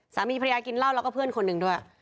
สามีภรรยากินเหล้าแล้วก็เพื่อนคนหนึ่งด้วย